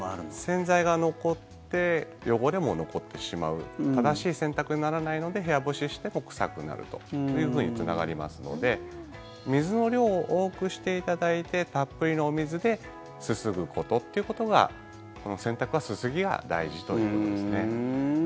洗剤が残って汚れも残ってしまう正しい洗濯にならないので部屋干ししても臭くなるというふうにつながりますので水の量を多くしていただいてたっぷりのお水ですすぐことということがこの洗濯はすすぎが大事ということですね。